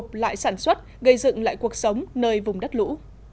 sông không khuất phục lại sản xuất gây dựng lại cuộc sống nơi vùng đất lũ